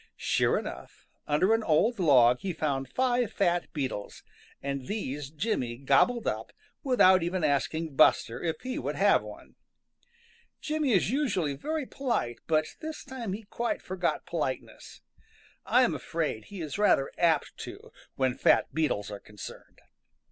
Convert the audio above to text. Sure enough, under an old log he found five fat beetles, and these Jimmy gobbled up without even asking Buster if he would have one. Jimmy is usually very polite, but this time he quite forgot politeness. I am afraid he is rather apt to when fat beetles are concerned.